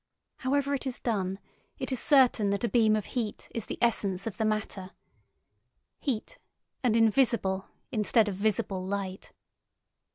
However it is done, it is certain that a beam of heat is the essence of the matter. Heat, and invisible, instead of visible, light.